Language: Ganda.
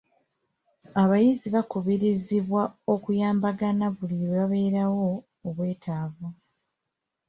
Abayizi bakubirizibwa okuyambagana buli lwe wabeerawo obwetaavu .